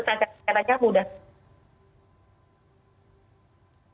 sesak nafas itu terjadi dengan kerudak karena penyelesaian